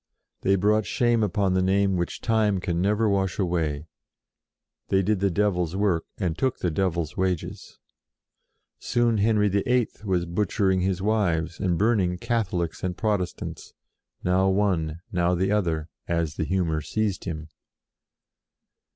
They brought shame upon their name which Time can never wash away; they did the Devil's work, and took the Devil's wages. Soon Henry VIII. was butchering his wives and burning Catholics and Protestants, now one, now the other, as the humour seized him.